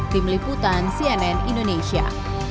tim liputan cnn indonesia